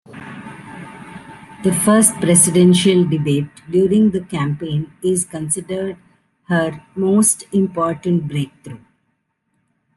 The first presidential debate during the campaign is considered her most important breakthrough.